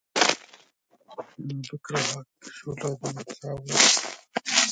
Should children be held accountable for their actions?